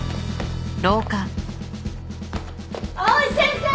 藍井先生！